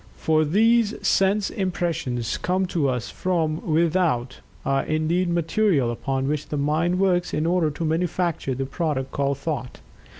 For these sense impressions, coming to us from without, are indeed "material" upon which the mind works in order to manufacture the product called "Thought."